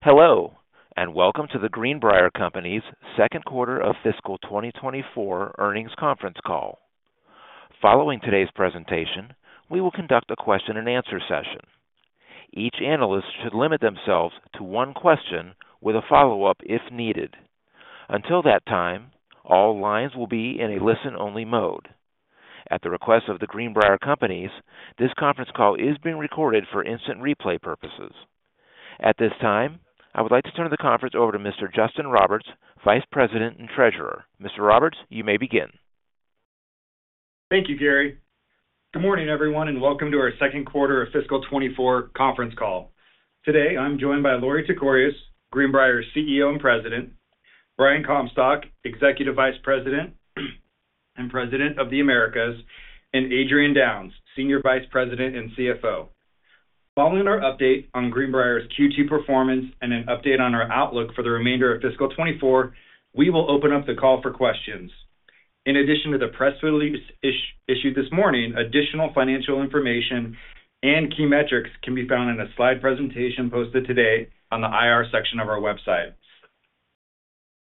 Hello, and welcome to The Greenbrier Companies' second quarter of fiscal 2024 earnings conference call. Following today's presentation, we will conduct a question-and-answer session. Each analyst should limit themselves to one question with a follow-up, if needed. Until that time, all lines will be in a listen-only mode. At the request of The Greenbrier Companies, this conference call is being recorded for instant replay purposes. At this time, I would like to turn the conference over to Mr. Justin Roberts, Vice President and Treasurer. Mr. Roberts, you may begin. Thank you, Gary. Good morning, everyone, and welcome to our second quarter of fiscal 2024 conference call. Today, I'm joined by Lorie Tekorius, Greenbrier CEO and President, Brian Comstock, Executive Vice President and President of the Americas, and Adrian Downes, Senior Vice President and CFO. Following our update on Greenbrier's Q2 performance and an update on our outlook for the remainder of fiscal 2024, we will open up the call for questions. In addition to the press release issued this morning, additional financial information and key metrics can be found in a slide presentation posted today on the IR section of our website.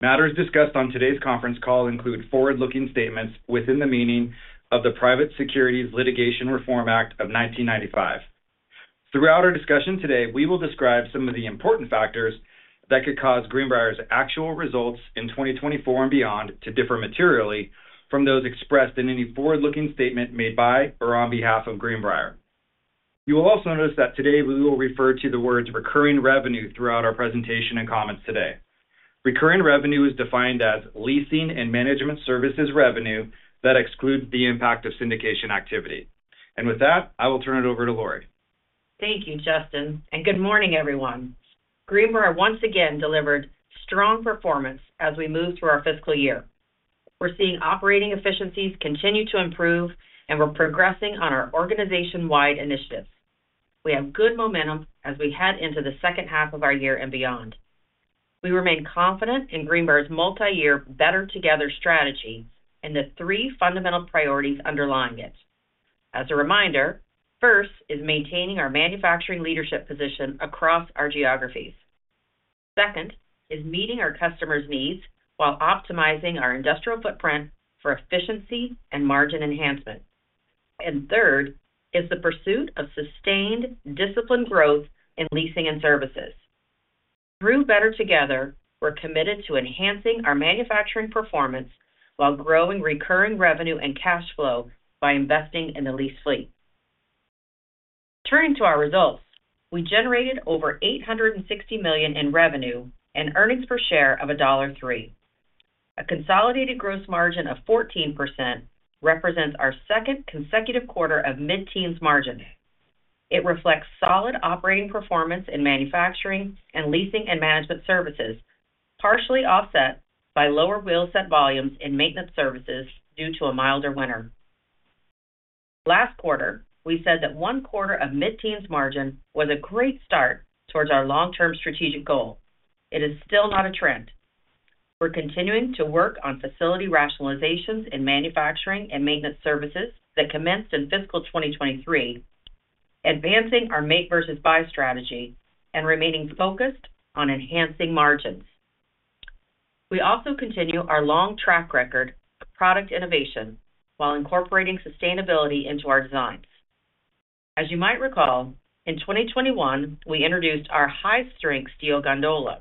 Matters discussed on today's conference call include forward-looking statements within the meaning of the Private Securities Litigation Reform Act of 1995. Throughout our discussion today, we will describe some of the important factors that could cause Greenbrier's actual results in 2024 and beyond to differ materially from those expressed in any forward-looking statement made by or on behalf of Greenbrier. You will also notice that today we will refer to the words recurring revenue throughout our presentation and comments today. Recurring revenue is defined as leasing and management services revenue that excludes the impact of syndication activity. With that, I will turn it over to Lorie. Thank you, Justin, and good morning, everyone. Greenbrier once again delivered strong performance as we move through our fiscal year. We're seeing operating efficiencies continue to improve, and we're progressing on our organization-wide initiatives. We have good momentum as we head into the second half of our year and beyond. We remain confident in Greenbrier's multiyear Better Together strategy and the three fundamental priorities underlying it. As a reminder, first is maintaining our manufacturing leadership position across our geographies. Second is meeting our customers' needs while optimizing our industrial footprint for efficiency and margin enhancement. Third is the pursuit of sustained, disciplined growth in leasing and services. Through Better Together, we're committed to enhancing our manufacturing performance while growing recurring revenue and cash flow by investing in the lease fleet. Turning to our results, we generated over $860 million in revenue and earnings per share of $1.3. A consolidated gross margin of 14% represents our second consecutive quarter of mid-teens margin. It reflects solid operating performance in manufacturing and leasing and management services, partially offset by lower wheel set volumes and maintenance services due to a milder winter. Last quarter, we said that one quarter of mid-teens margin was a great start towards our long-term strategic goal. It is still not a trend. We're continuing to work on facility rationalizations in manufacturing and maintenance services that commenced in fiscal 2023, advancing our make versus buy strategy and remaining focused on enhancing margins. We also continue our long track record of product innovation while incorporating sustainability into our designs. As you might recall, in 2021, we introduced our high-strength steel gondola.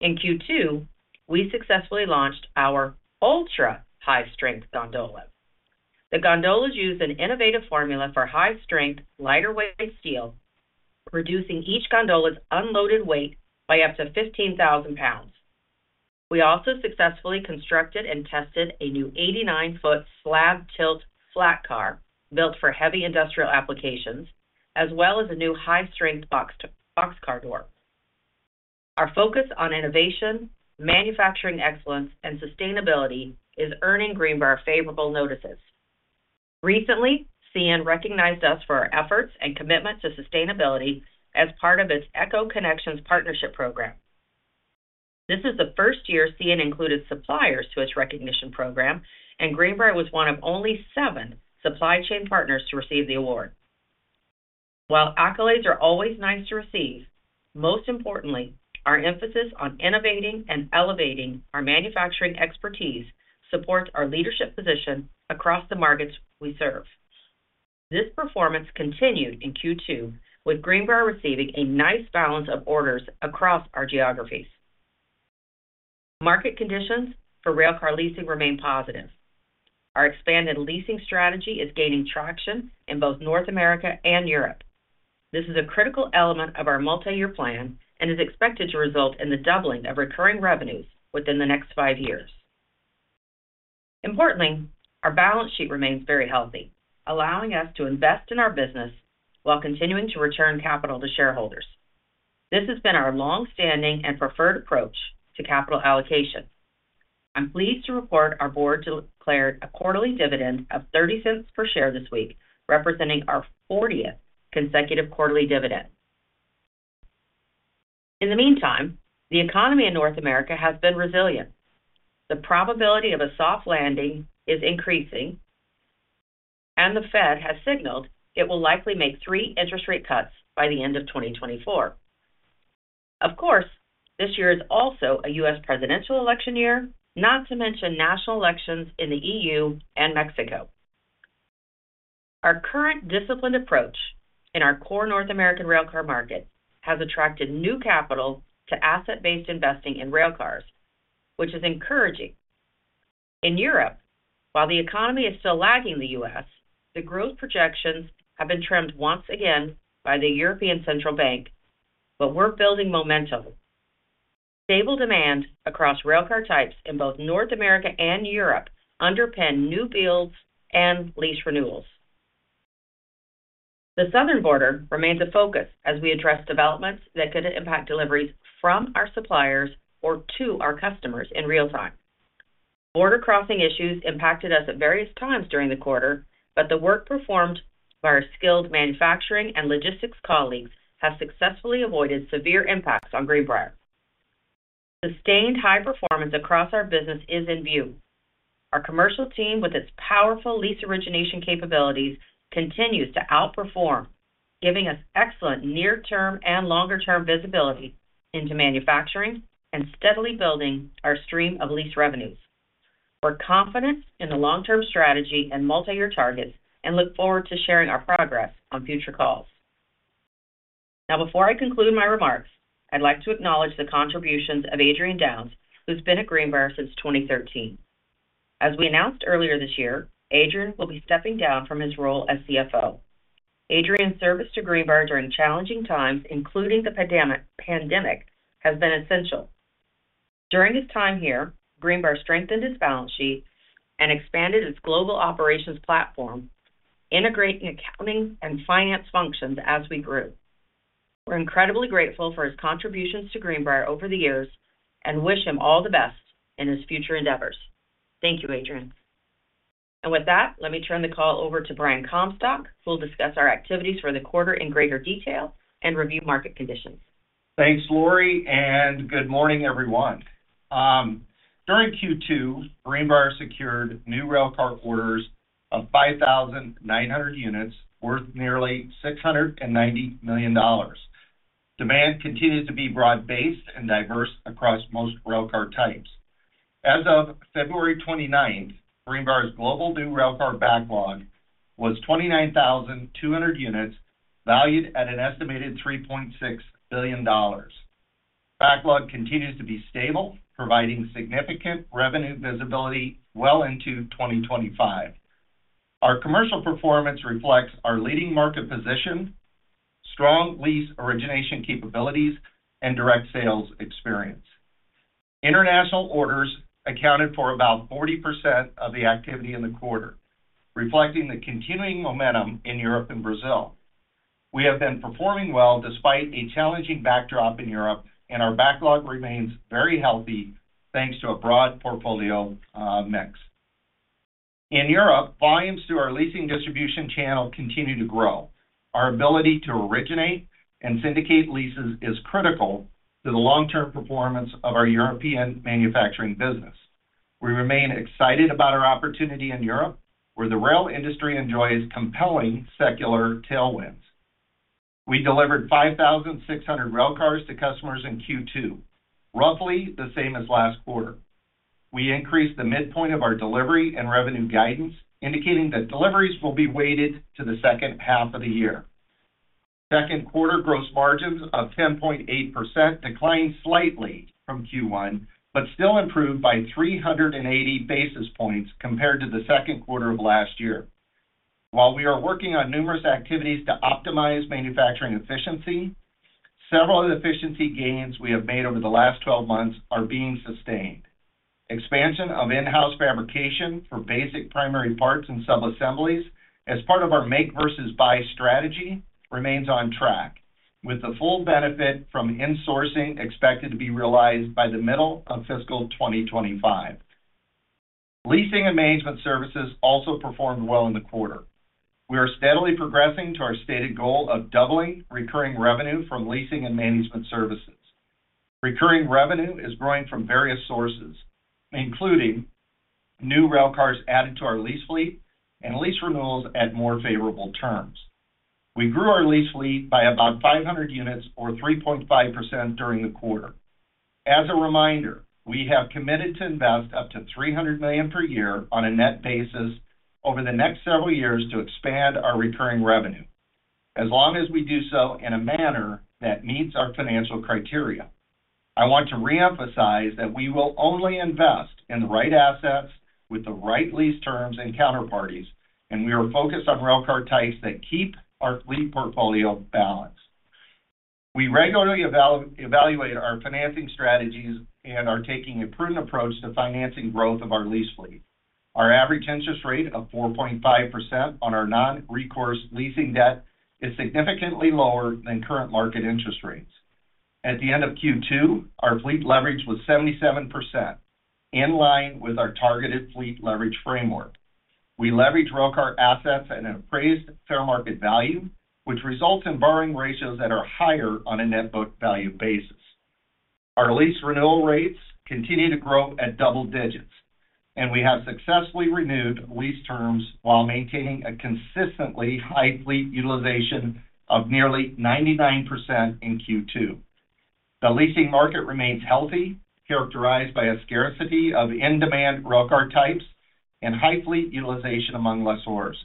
In Q2, we successfully launched our ultra-high-strength gondola. The gondolas use an innovative formula for high-strength, lighter weight steel, reducing each gondola's unloaded weight by up to 15,000 pounds. We also successfully constructed and tested a new 89-foot slab tilt flat car built for heavy industrial applications, as well as a new high-strength boxcar door. Our focus on innovation, manufacturing excellence, and sustainability is earning Greenbrier favorable notices. Recently, CN recognized us for our efforts and commitment to sustainability as part of its EcoConnexions partnership program. This is the first year CN included suppliers to its recognition program, and Greenbrier was one of only seven supply chain partners to receive the award. While accolades are always nice to receive, most importantly, our emphasis on innovating and elevating our manufacturing expertise supports our leadership position across the markets we serve. This performance continued in Q2, with Greenbrier receiving a nice balance of orders across our geographies. Market conditions for railcar leasing remain positive. Our expanded leasing strategy is gaining traction in both North America and Europe. This is a critical element of our multi-year plan and is expected to result in the doubling of recurring revenues within the next five years. Importantly, our balance sheet remains very healthy, allowing us to invest in our business while continuing to return capital to shareholders. This has been our long-standing and preferred approach to capital allocation. I'm pleased to report our board declared a quarterly dividend of $0.30 per share this week, representing our fortieth consecutive quarterly dividend. In the meantime, the economy in North America has been resilient. The probability of a soft landing is increasing... The Fed has signaled it will likely make three interest rate cuts by the end of 2024. Of course, this year is also a U.S. presidential election year, not to mention national elections in the EU and Mexico. Our current disciplined approach in our core North American railcar market has attracted new capital to asset-based investing in railcars, which is encouraging. In Europe, while the economy is still lagging the U.S., the growth projections have been trimmed once again by the European Central Bank, but we're building momentum. Stable demand across railcar types in both North America and Europe underpin new builds and lease renewals. The southern border remains a focus as we address developments that could impact deliveries from our suppliers or to our customers in real time. Border crossing issues impacted us at various times during the quarter, but the work performed by our skilled manufacturing and logistics colleagues have successfully avoided severe impacts on Greenbrier. Sustained high performance across our business is in view. Our commercial team, with its powerful lease origination capabilities, continues to outperform, giving us excellent near-term and longer-term visibility into manufacturing and steadily building our stream of lease revenues. We're confident in the long-term strategy and multiyear targets and look forward to sharing our progress on future calls. Now, before I conclude my remarks, I'd like to acknowledge the contributions of Adrian Downes, who's been at Greenbrier since 2013. As we announced earlier this year, Adrian will be stepping down from his role as CFO. Adrian's service to Greenbrier during challenging times, including the pandemic, has been essential. During his time here, Greenbrier strengthened its balance sheet and expanded its global operations platform, integrating accounting and finance functions as we grew. We're incredibly grateful for his contributions to Greenbrier over the years, and wish him all the best in his future endeavors. Thank you, Adrian. With that, let me turn the call over to Brian Comstock, who will discuss our activities for the quarter in greater detail and review market conditions. Thanks, Lorie, and good morning, everyone. During Q2, Greenbrier secured new railcar orders of 5,900 units worth nearly $690 million. Demand continues to be broad-based and diverse across most railcar types. As of February 29, Greenbrier's global new railcar backlog was 29,200 units, valued at an estimated $3.6 billion. Backlog continues to be stable, providing significant revenue visibility well into 2025. Our commercial performance reflects our leading market position, strong lease origination capabilities, and direct sales experience. International orders accounted for about 40% of the activity in the quarter, reflecting the continuing momentum in Europe and Brazil. We have been performing well despite a challenging backdrop in Europe, and our backlog remains very healthy, thanks to a broad portfolio, mix. In Europe, volumes through our leasing distribution channel continue to grow. Our ability to originate and syndicate leases is critical to the long-term performance of our European manufacturing business. We remain excited about our opportunity in Europe, where the rail industry enjoys compelling secular tailwinds. We delivered 5,600 railcars to customers in Q2, roughly the same as last quarter. We increased the midpoint of our delivery and revenue guidance, indicating that deliveries will be weighted to the second half of the year. Second quarter gross margins of 10.8% declined slightly from Q1, but still improved by 380 basis points compared to the second quarter of last year. While we are working on numerous activities to optimize manufacturing efficiency, several efficiency gains we have made over the last 12 months are being sustained. Expansion of in-house fabrication for basic primary parts and subassemblies as part of our make versus buy strategy remains on track, with the full benefit from insourcing expected to be realized by the middle of fiscal 2025. Leasing and management services also performed well in the quarter. We are steadily progressing to our stated goal of doubling recurring revenue from leasing and management services. Recurring revenue is growing from various sources, including new railcars added to our lease fleet and lease renewals at more favorable terms. We grew our lease fleet by about 500 units or 3.5% during the quarter. As a reminder, we have committed to invest up to $300 million per year on a net basis over the next several years to expand our recurring revenue, as long as we do so in a manner that meets our financial criteria. I want to reemphasize that we will only invest in the right assets with the right lease terms and counterparties, and we are focused on railcar types that keep our fleet portfolio balanced. We regularly evaluate our financing strategies and are taking a prudent approach to financing growth of our lease fleet. Our average interest rate of 4.5% on our non-recourse leasing debt is significantly lower than current market interest rates. At the end of Q2, our fleet leverage was 77%, in line with our targeted fleet leverage framework. We leverage railcar assets at an appraised fair market value, which results in borrowing ratios that are higher on a net book value basis. Our lease renewal rates continue to grow at double digits, and we have successfully renewed lease terms while maintaining a consistently high fleet utilization of nearly 99% in Q2. The leasing market remains healthy, characterized by a scarcity of in-demand railcar types and high fleet utilization among lessors.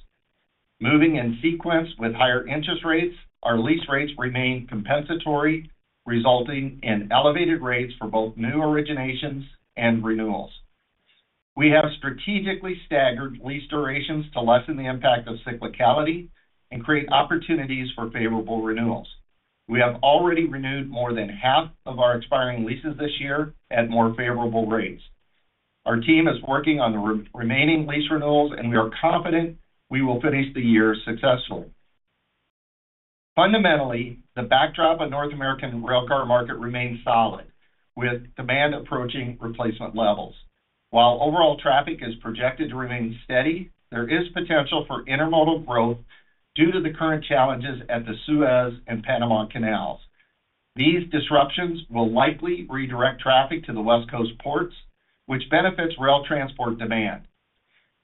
Moving in sequence with higher interest rates, our lease rates remain compensatory, resulting in elevated rates for both new originations and renewals. We have strategically staggered lease durations to lessen the impact of cyclicality and create opportunities for favorable renewals. We have already renewed more than half of our expiring leases this year at more favorable rates. Our team is working on the remaining lease renewals, and we are confident we will finish the year successfully. Fundamentally, the backdrop of North American railcar market remains solid, with demand approaching replacement levels. While overall traffic is projected to remain steady, there is potential for intermodal growth due to the current challenges at the Suez Canal and Panama Canal. These disruptions will likely redirect traffic to the West Coast ports, which benefits rail transport demand.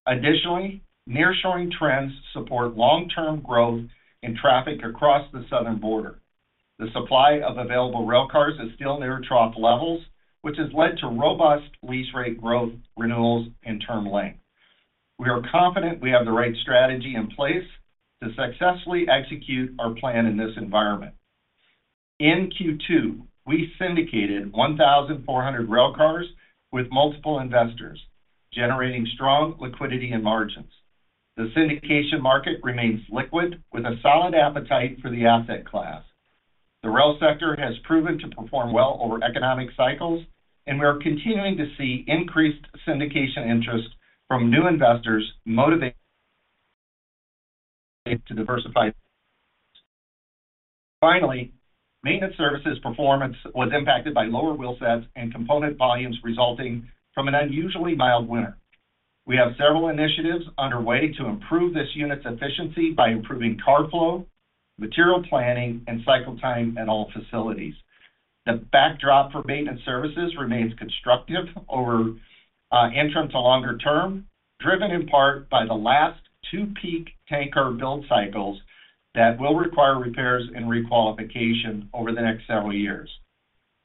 Additionally, nearshoring trends support long-term growth in traffic across the southern border. The supply of available railcars is still near trough levels, which has led to robust lease rate growth, renewals, and term length. We are confident we have the right strategy in place to successfully execute our plan in this environment. In Q2, we syndicated 1,400 railcars with multiple investors, generating strong liquidity and margins. The syndication market remains liquid, with a solid appetite for the asset class. The rail sector has proven to perform well over economic cycles, and we are continuing to see increased syndication interest from new investors motivated to diversify. Finally, maintenance services performance was impacted by lower wheel sets and component volumes resulting from an unusually mild winter. We have several initiatives underway to improve this unit's efficiency by improving car flow, material planning, and cycle time at all facilities. The backdrop for maintenance services remains constructive over, interim to longer term, driven in part by the last two peak tanker build cycles that will require repairs and re-qualification over the next several years.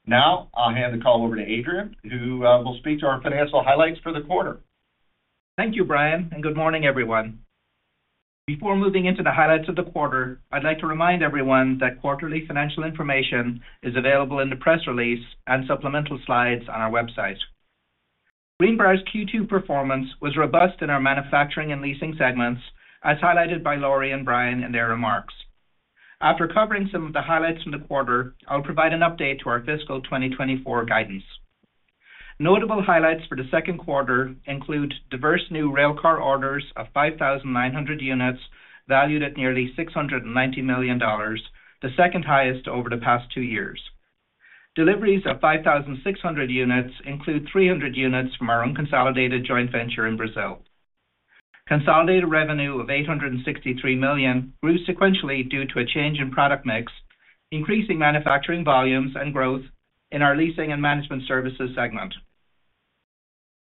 Now, I'll hand the call over to Adrian, who, will speak to our financial highlights for the quarter. Thank you, Brian, and good morning, everyone. Before moving into the highlights of the quarter, I'd like to remind everyone that quarterly financial information is available in the press release and supplemental slides on our website. Greenbrier's Q2 performance was robust in our manufacturing and leasing segments, as highlighted by Lorie and Brian in their remarks. After covering some of the highlights from the quarter, I'll provide an update to our fiscal 2024 guidance. Notable highlights for the second quarter include diverse new railcar orders of 5,900 units, valued at nearly $690 million, the second highest over the past two years. Deliveries of 5,600 units include 300 units from our unconsolidated joint venture in Brazil. Consolidated revenue of $863 million grew sequentially due to a change in product mix, increasing manufacturing volumes and growth in our leasing and management services segment.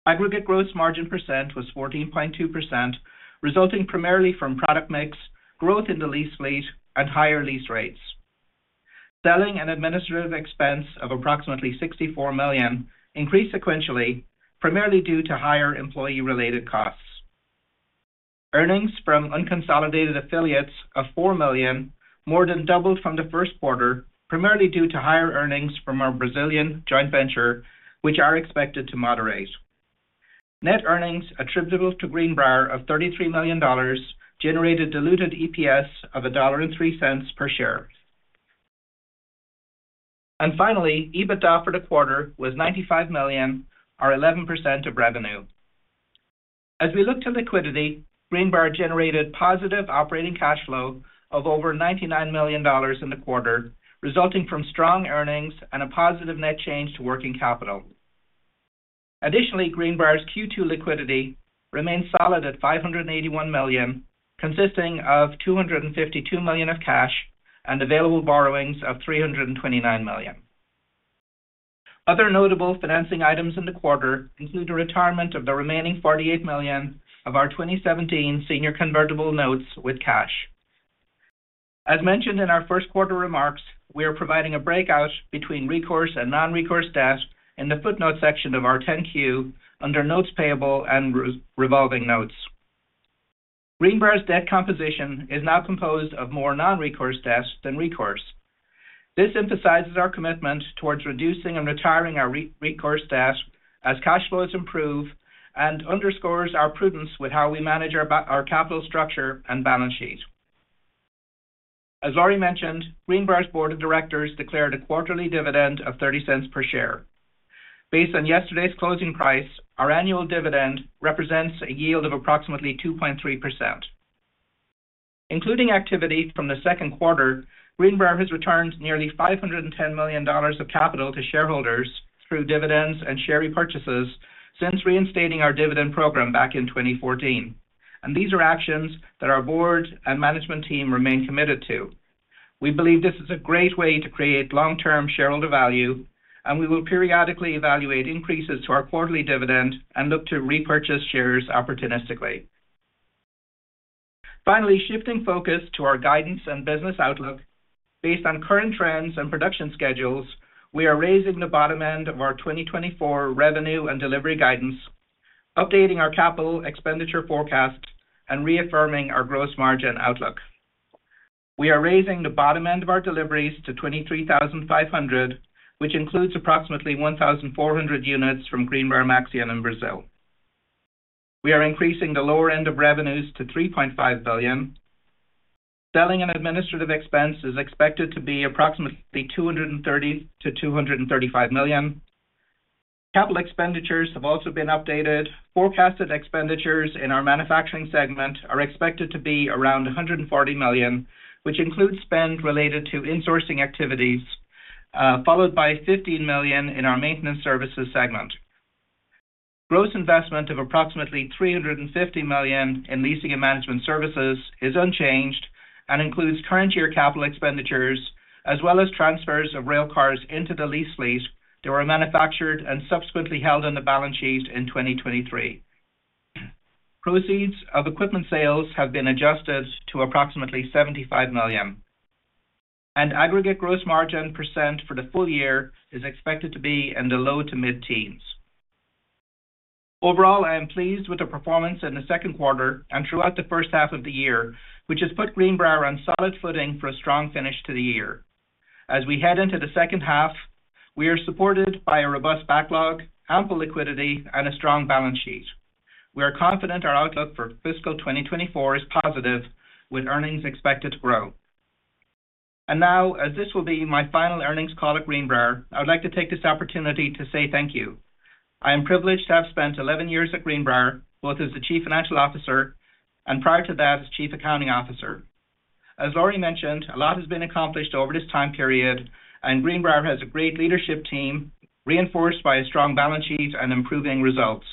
Aggregate gross margin percent was 14.2%, resulting primarily from product mix, growth in the lease fleet, and higher lease rates. Selling and administrative expense of approximately $64 million increased sequentially, primarily due to higher employee-related costs. Earnings from unconsolidated affiliates of $4 million more than doubled from the first quarter, primarily due to higher earnings from our Brazilian joint venture, which are expected to moderate. Net earnings attributable to Greenbrier of $33 million generated diluted EPS of $1.03 per share. Finally, EBITDA for the quarter was $95 million, or 11% of revenue. As we look to liquidity, Greenbrier generated positive operating cash flow of over $99 million in the quarter, resulting from strong earnings and a positive net change to working capital. Additionally, Greenbrier's Q2 liquidity remains solid at $581 million, consisting of $252 million of cash and available borrowings of $329 million. Other notable financing items in the quarter include the retirement of the remaining $48 million of our 2017 senior convertible notes with cash. As mentioned in our first quarter remarks, we are providing a breakout between recourse and non-recourse debt in the footnote section of our 10-Q under notes payable and revolving notes. Greenbrier's debt composition is now composed of more non-recourse debts than recourse. This emphasizes our commitment towards reducing and retiring our non-recourse debt as cash flows improve and underscores our prudence with how we manage our capital structure and balance sheet. As Lorie mentioned, Greenbrier's board of directors declared a quarterly dividend of $0.30 per share. Based on yesterday's closing price, our annual dividend represents a yield of approximately 2.3%. Including activity from the second quarter, Greenbrier has returned nearly $510 million of capital to shareholders through dividends and share repurchases since reinstating our dividend program back in 2014.... These are actions that our board and management team remain committed to. We believe this is a great way to create long-term shareholder value, and we will periodically evaluate increases to our quarterly dividend and look to repurchase shares opportunistically. Finally, shifting focus to our guidance and business outlook. Based on current trends and production schedules, we are raising the bottom end of our 2024 revenue and delivery guidance, updating our capital expenditure forecast, and reaffirming our gross margin outlook. We are raising the bottom end of our deliveries to 23,500, which includes approximately 1,400 units from Greenbrier-Maxion in Brazil. We are increasing the lower end of revenues to $3.5 billion. Selling and administrative expense is expected to be approximately $230 million-$235 million. Capital expenditures have also been updated. Forecasted expenditures in our manufacturing segment are expected to be around $140 million, which includes spend related to insourcing activities, followed by $15 million in our maintenance services segment. Gross investment of approximately $350 million in leasing and management services is unchanged and includes current year capital expenditures, as well as transfers of railcars into the lease fleet that were manufactured and subsequently held on the balance sheet in 2023. Proceeds of equipment sales have been adjusted to approximately $75 million, and aggregate gross margin % for the full year is expected to be in the low-to-mid teens. Overall, I am pleased with the performance in the second quarter and throughout the first half of the year, which has put Greenbrier on solid footing for a strong finish to the year. As we head into the second half, we are supported by a robust backlog, ample liquidity, and a strong balance sheet. We are confident our outlook for fiscal 2024 is positive, with earnings expected to grow. Now, as this will be my final earnings call at Greenbrier, I would like to take this opportunity to say thank you. I am privileged to have spent 11 years at Greenbrier, both as the Chief Financial Officer and prior to that, as Chief Accounting Officer. As Lori mentioned, a lot has been accomplished over this time period, and Greenbrier has a great leadership team, reinforced by a strong balance sheet and improving results.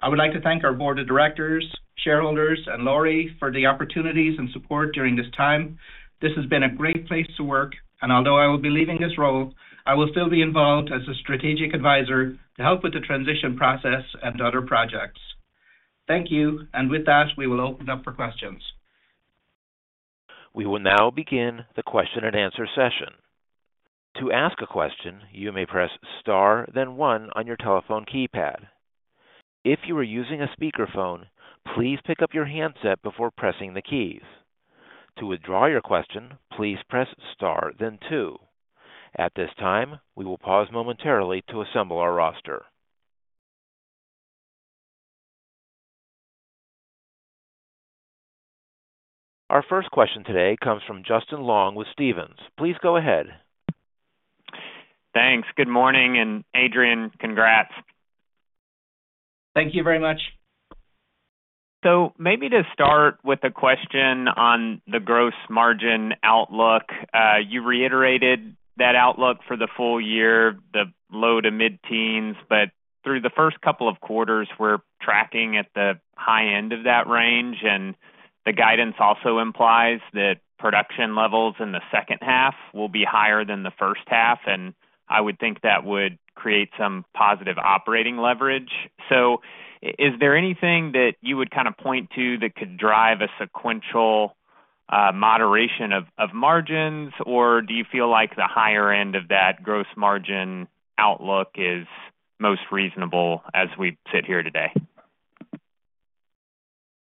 I would like to thank our board of directors, shareholders, and Lori for the opportunities and support during this time. This has been a great place to work, and although I will be leaving this role, I will still be involved as a strategic advisor to help with the transition process and other projects. Thank you, and with that, we will open it up for questions. We will now begin the question and answer session. To ask a question, you may press Star, then one on your telephone keypad. If you are using a speakerphone, please pick up your handset before pressing the keys. To withdraw your question, please press Star, then two. At this time, we will pause momentarily to assemble our roster. Our first question today comes from Justin Long with Stephens. Please go ahead. Thanks. Good morning, and Adrian, congrats. Thank you very much. So maybe to start with a question on the gross margin outlook. You reiterated that outlook for the full year, the low- to mid-teens, but through the first couple of quarters, we're tracking at the high end of that range, and the guidance also implies that production levels in the second half will be higher than the first half, and I would think that would create some positive operating leverage. So is there anything that you would kind of point to that could drive a sequential moderation of margins? Or do you feel like the higher end of that gross margin outlook is most reasonable as we sit here today?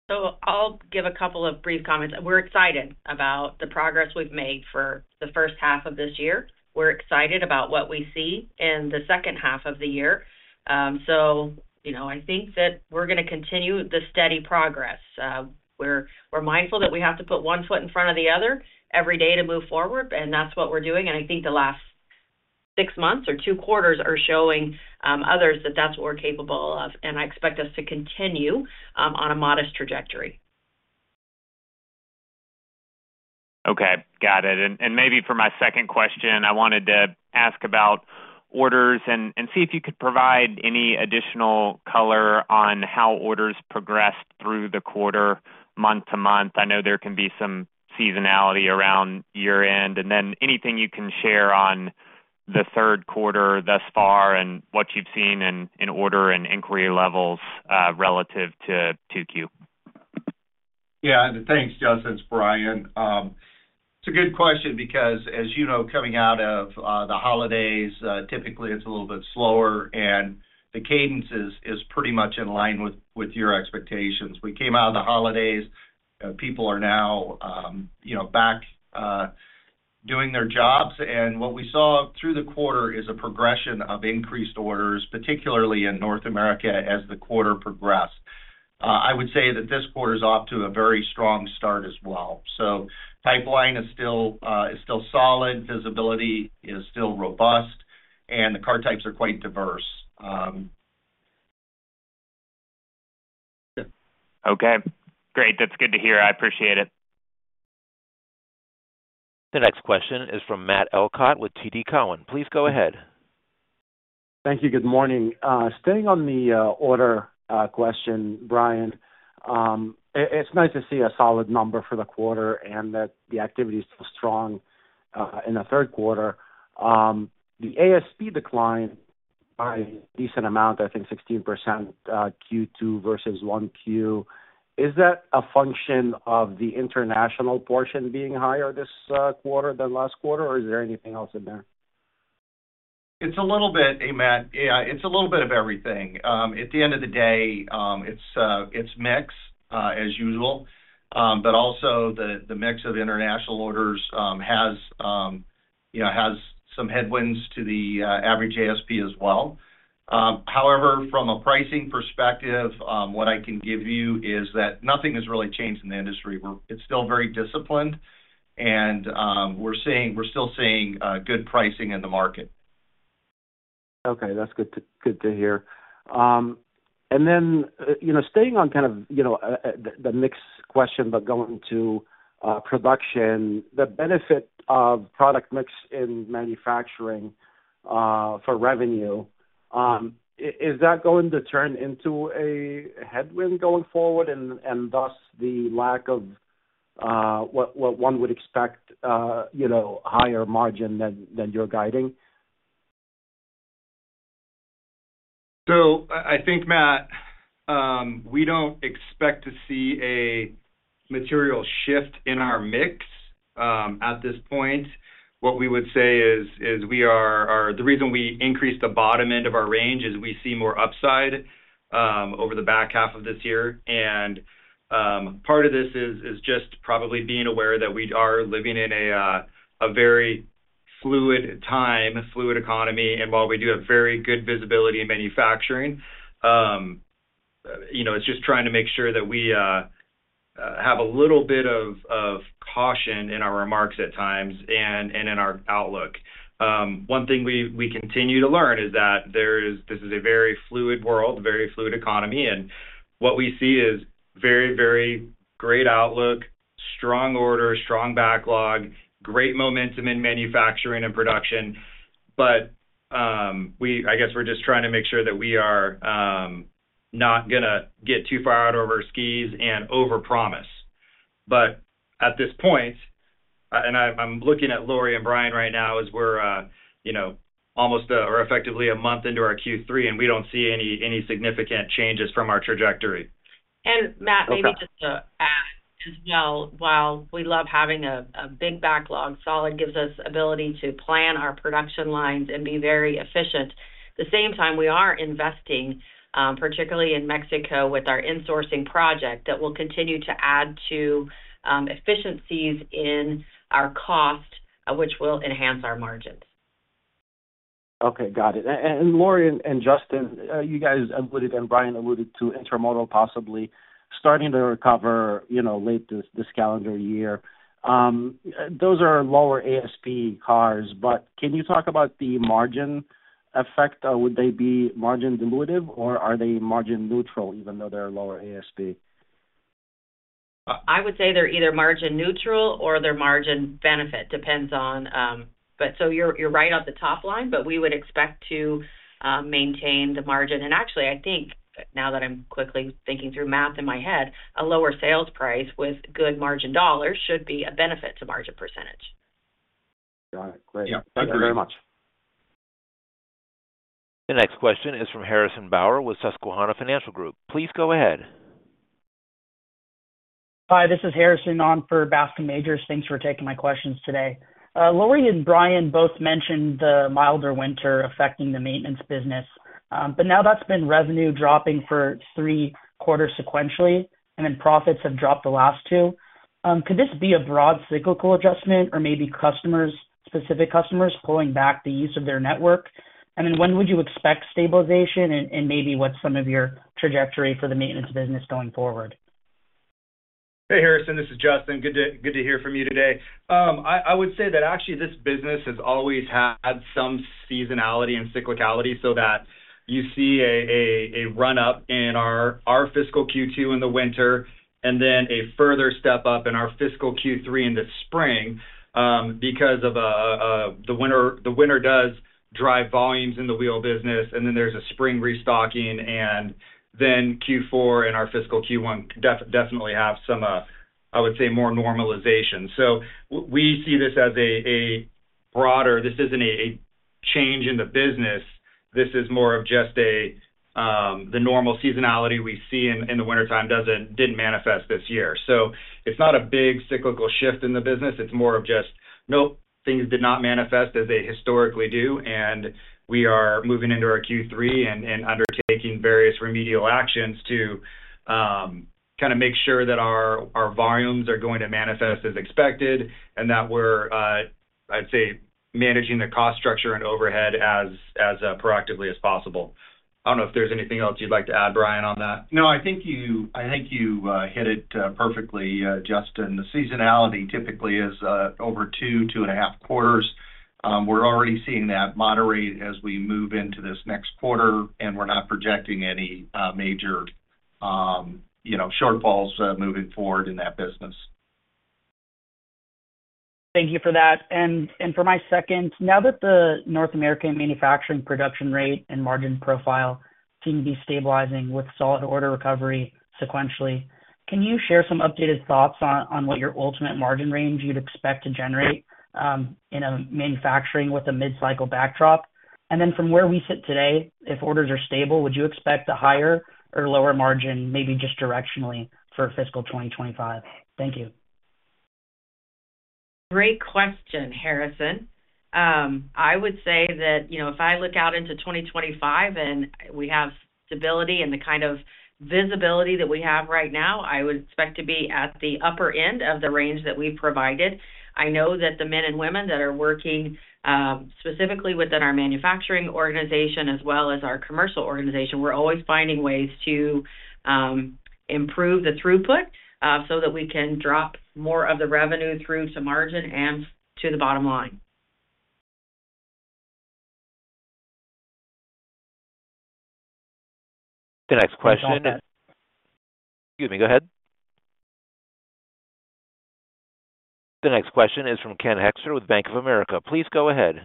So I'll give a couple of brief comments. We're excited about the progress we've made for the first half of this year. We're excited about what we see in the second half of the year. So you know, I think that we're gonna continue the steady progress. We're mindful that we have to put one foot in front of the other every day to move forward, and that's what we're doing, and I think the last six months or two quarters are showing others that that's what we're capable of, and I expect us to continue on a modest trajectory. Okay, got it. And maybe for my second question, I wanted to ask about orders and see if you could provide any additional color on how orders progressed through the quarter, month to month. I know there can be some seasonality around year-end, and then anything you can share on the third quarter thus far and what you've seen in order and inquiry levels relative to 2Q. Yeah, thanks, Justin. It's Brian. It's a good question because, as you know, coming out of the holidays, typically it's a little bit slower, and the cadence is pretty much in line with your expectations. We came out of the holidays. People are now, you know, back doing their jobs, and what we saw through the quarter is a progression of increased orders, particularly in North America, as the quarter progressed. I would say that this quarter is off to a very strong start as well. So pipeline is still solid, visibility is still robust, and the car types are quite diverse. Okay, great. That's good to hear. I appreciate it.... The next question is from Matt Elkott with TD Cowen. Please go ahead. Thank you. Good morning. Staying on the order question, Brian, it's nice to see a solid number for the quarter and that the activity is still strong in the third quarter. The ASP declined by a decent amount, I think 16%, Q2 versus 1Q. Is that a function of the international portion being higher this quarter than last quarter, or is there anything else in there? It's a little bit, hey, Matt. Yeah, it's a little bit of everything. At the end of the day, it's mix, as usual, but also the mix of international orders has, you know, has some headwinds to the average ASP as well. However, from a pricing perspective, what I can give you is that nothing has really changed in the industry. We're - It's still very disciplined, and we're seeing - we're still seeing good pricing in the market. Okay, that's good to hear. And then, you know, staying on kind of, you know, the mix question, but going to production, the benefit of product mix in manufacturing for revenue, is that going to turn into a headwind going forward, and thus the lack of what one would expect, you know, higher margin than you're guiding? So I think, Matt, we don't expect to see a material shift in our mix at this point. What we would say is the reason we increased the bottom end of our range is we see more upside over the back half of this year. And part of this is just probably being aware that we are living in a very fluid time, a fluid economy, and while we do have very good visibility in manufacturing, you know, it's just trying to make sure that we have a little bit of caution in our remarks at times and in our outlook. One thing we continue to learn is that this is a very fluid world, a very fluid economy, and what we see is very, very great outlook, strong order, strong backlog, great momentum in manufacturing and production. But I guess we're just trying to make sure that we are not gonna get too far out over our skis and overpromise. But at this point, and I'm looking at Lorie and Brian right now, as we're you know, almost or effectively a month into our Q3, and we don't see any significant changes from our trajectory. Matt, maybe just to add as well, while we love having a big backlog, solid gives us ability to plan our production lines and be very efficient. At the same time, we are investing, particularly in Mexico, with our insourcing project that will continue to add to efficiencies in our cost, which will enhance our margins. Okay, got it. And Lorie and Justin, you guys alluded, and Brian alluded to intermodal possibly starting to recover, you know, late this calendar year. Those are lower ASP cars, but can you talk about the margin effect? Would they be margin dilutive, or are they margin neutral, even though they're lower ASP? I would say they're either margin neutral or they're margin benefit, depends on... But so you're right on the top line, but we would expect to maintain the margin. And actually, I think, now that I'm quickly thinking through math in my head, a lower sales price with good margin dollars should be a benefit to margin percentage. Got it. Great. Yeah. Thank you very much. The next question is from Harrison Bauer with Susquehanna Financial Group. Please go ahead. Hi, this is Harrison, on for Bascome Majors. Thanks for taking my questions today. Lorie and Brian both mentioned the milder winter affecting the maintenance business, but now that's been revenue dropping for three quarters sequentially, and then profits have dropped the last two. Could this be a broad cyclical adjustment or maybe customers, specific customers, pulling back the use of their network? And then when would you expect stabilization, and maybe what's some of your trajectory for the maintenance business going forward? Hey, Harrison, this is Justin. Good to hear from you today. I would say that actually this business has always had some seasonality and cyclicality so that you see a run-up in our fiscal Q2 in the winter, and then a further step up in our fiscal Q3 in the spring, because the winter does drive volumes in the wheel business, and then there's a spring restocking, and then Q4 and our fiscal Q1 definitely have some, I would say, more normalization. We see this as a broader. This isn't a change in the business. This is more of just the normal seasonality we see in the wintertime didn't manifest this year. So it's not a big cyclical shift in the business. It's more of just, "Nope, things did not manifest as they historically do," and we are moving into our Q3 and undertaking various remedial actions to kind of make sure that our volumes are going to manifest as expected, and that we're, I'd say, managing the cost structure and overhead as proactively as possible. I don't know if there's anything else you'd like to add, Brian, on that? No, I think you, I think you hit it perfectly, Justin. The seasonality typically is over two, two and a half quarters. We're already seeing that moderate as we move into this next quarter, and we're not projecting any major changes... you know, shortfalls moving forward in that business. Thank you for that. And, for my second, now that the North American manufacturing production rate and margin profile seem to be stabilizing with solid order recovery sequentially, can you share some updated thoughts on what your ultimate margin range you'd expect to generate, in a manufacturing with a mid-cycle backdrop? And then from where we sit today, if orders are stable, would you expect a higher or lower margin, maybe just directionally, for fiscal 2025? Thank you. Great question, Harrison. I would say that, you know, if I look out into 2025 and we have stability and the kind of visibility that we have right now, I would expect to be at the upper end of the range that we've provided. I know that the men and women that are working, specifically within our manufacturing organization as well as our commercial organization, we're always finding ways to improve the throughput, so that we can drop more of the revenue through to margin and to the bottom line. The next question— Excuse me, go ahead. The next question is from Ken Hoexter with Bank of America. Please go ahead.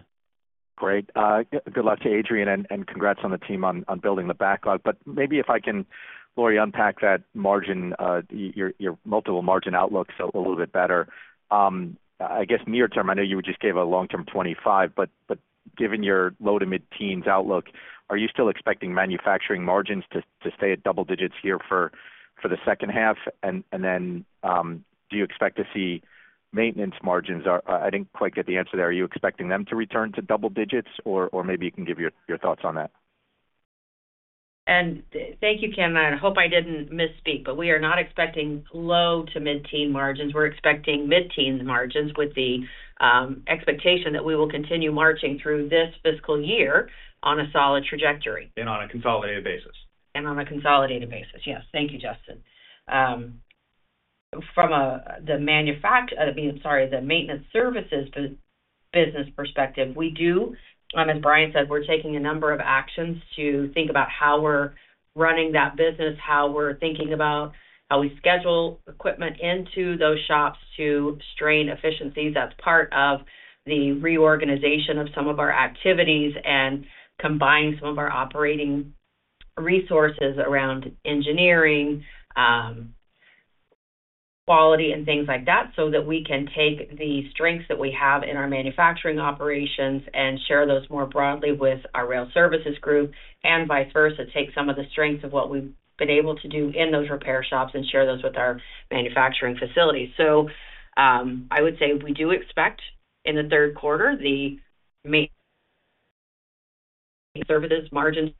Great. Good luck to Adrian, and congrats on the team on building the backlog. But maybe if I can, Lori, unpack that margin, your multiple margin outlooks a little bit better. I guess near term, I know you just gave a long-term 25, but given your low to mid-teens outlook, are you still expecting manufacturing margins to stay at double digits here for the second half? And then, do you expect to see maintenance margins? I didn't quite get the answer there. Are you expecting them to return to double digits, or maybe you can give your thoughts on that? Thank you, Ken. I hope I didn't misspeak, but we are not expecting low to mid-teen margins. We're expecting mid-teen margins with the expectation that we will continue marching through this fiscal year on a solid trajectory. On a consolidated basis. On a consolidated basis. Yes. Thank you, Justin. From the maintenance services business perspective, we do, as Brian said, we're taking a number of actions to think about how we're running that business, how we're thinking about how we schedule equipment into those shops to gain efficiencies. That's part of the reorganization of some of our activities and combining some of our operating resources around engineering, quality, and things like that, so that we can take the strengths that we have in our manufacturing operations and share those more broadly with our rail services group, and vice versa, take some of the strengths of what we've been able to do in those repair shops and share those with our manufacturing facilities. I would say we do expect, in the third quarter, the main services margins,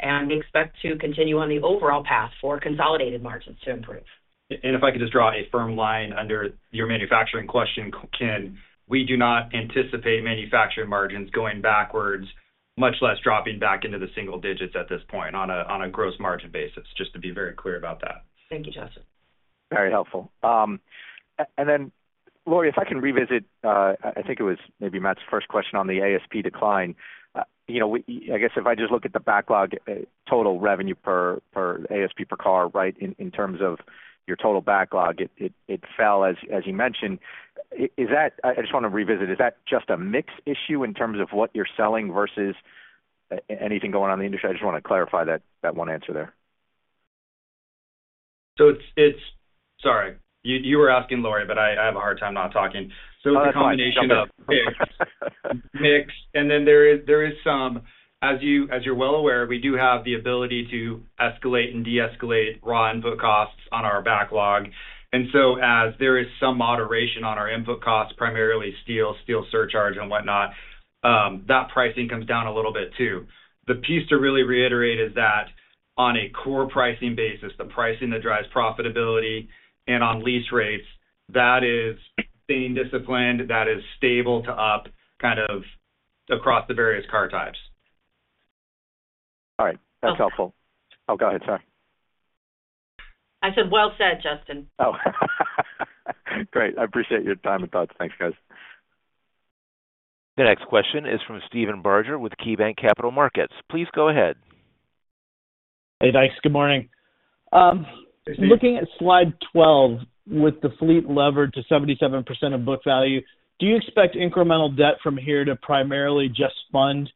and we expect to continue on the overall path for consolidated margins to improve. If I could just draw a firm line under your manufacturing question, Ken, we do not anticipate manufacturing margins going backwards, much less dropping back into the single digits at this point on a gross margin basis, just to be very clear about that. Thank you, Justin. Very helpful. And then, Lorie, if I can revisit, I think it was maybe Matt's first question on the ASP decline. You know, I guess if I just look at the backlog, total revenue per ASP per car, right? In terms of your total backlog, it fell, as you mentioned. Is that just a mix issue in terms of what you're selling versus anything going on in the industry? I just want to clarify that one answer there. So it's... Sorry, you were asking Lorie, but I have a hard time not talking. Oh, that's fine. So it's a combination of mix. And then there is some—as you're well aware, we do have the ability to escalate and deescalate raw input costs on our backlog. And so as there is some moderation on our input costs, primarily steel, steel surcharge and whatnot, that pricing comes down a little bit, too. The piece to really reiterate is that on a core pricing basis, the pricing that drives profitability and on lease rates, that is being disciplined, that is stable to up kind of across the various car types. All right. That's helpful. Oh, go ahead, sorry. I said, well said, Justin. Oh. Great. I appreciate your time and thoughts. Thanks, guys. The next question is from Steven Barger with KeyBanc Capital Markets. Please go ahead. Hey, guys. Good morning. Good morning. Looking at slide 12, with the fleet levered to 77% of book value, do you expect incremental debt from here to primarily just fund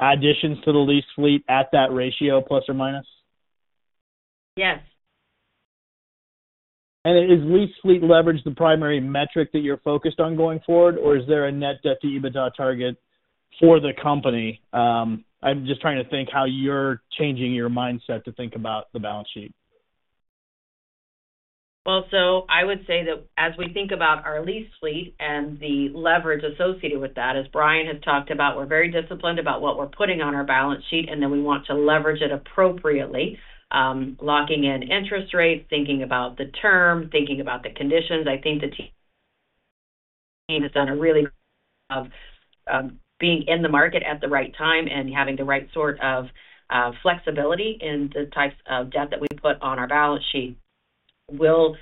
additions to the lease fleet at that ratio, ±? Yes. Is lease fleet leverage the primary metric that you're focused on going forward, or is there a net debt to EBITDA target for the company? I'm just trying to think how you're changing your mindset to think about the balance sheet. Well, so I would say that as we think about our lease fleet and the leverage associated with that, as Brian has talked about, we're very disciplined about what we're putting on our balance sheet, and then we want to leverage it appropriately, locking in interest rates, thinking about the term, thinking about the conditions. I think the team has done a really of, being in the market at the right time and having the right sort of, flexibility in the types of debt that we put on our balance sheet. We'll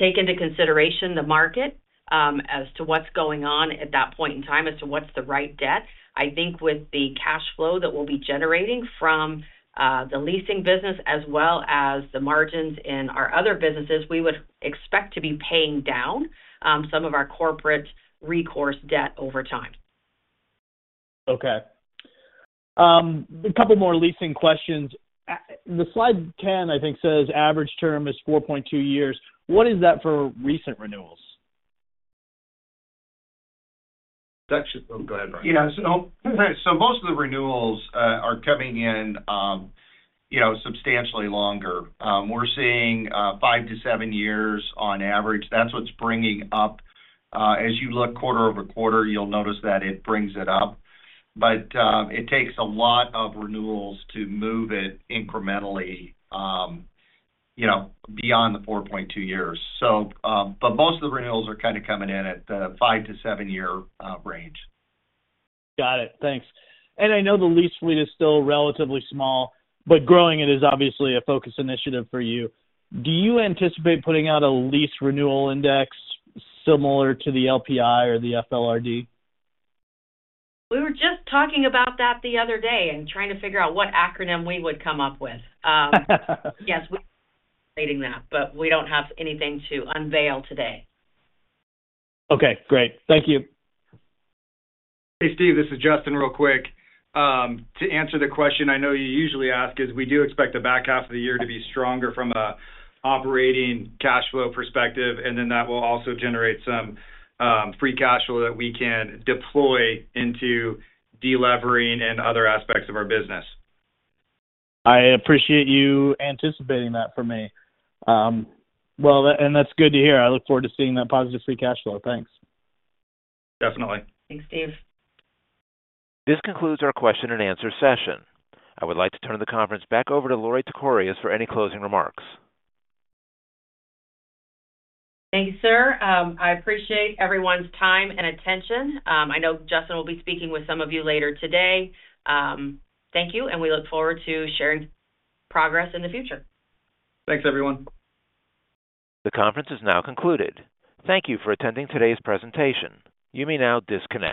take into consideration the market, as to what's going on at that point in time as to what's the right debt. I think with the cash flow that we'll be generating from the leasing business as well as the margins in our other businesses, we would expect to be paying down some of our corporate recourse debt over time. Okay. A couple more leasing questions. The slide 10, I think, says average term is 4.2 years. What is that for recent renewals? Oh, go ahead, Brian. Yeah, so, so most of the renewals are coming in, you know, substantially longer. We're seeing 5-7 years on average. That's what's bringing up, as you look quarter-over-quarter, you'll notice that it brings it up. But, it takes a lot of renewals to move it incrementally, you know, beyond the 4.2 years. So, but most of the renewals are kind of coming in at the 5-7-year range. Got it. Thanks. And I know the lease fleet is still relatively small, but growing it is obviously a focus initiative for you. Do you anticipate putting out a lease renewal index similar to the LPI or the FLRD? We were just talking about that the other day and trying to figure out what acronym we would come up with. Yes, we're creating that, but we don't have anything to unveil today. Okay, great. Thank you. Hey, Steve, this is Justin. Real quick, to answer the question I know you usually ask is we do expect the back half of the year to be stronger from a operating cash flow perspective, and then that will also generate some free cash flow that we can deploy into delevering and other aspects of our business. I appreciate you anticipating that for me. Well, that's good to hear. I look forward to seeing that positive free cash flow. Thanks. Definitely. Thanks, Steve. This concludes our question and answer session. I would like to turn the conference back over to Lorie Tekorius for any closing remarks. Thank you, sir. I appreciate everyone's time and attention. I know Justin will be speaking with some of you later today. Thank you, and we look forward to sharing progress in the future. Thanks, everyone. The conference is now concluded. Thank you for attending today's presentation. You may now disconnect.